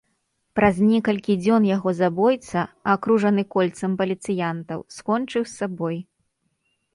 Праз некалькі дзён яго забойца, акружаны кольцам паліцыянтаў, скончыў сабой.